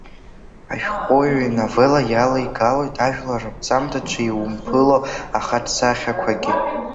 Ашәҟәыҩҩы иновелла иалеигалоит ажәлар раԥҵамҭаҿы иуԥымло ахаҿсахьақәагьы…